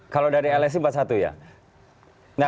kalau dari lsi empat puluh satu ya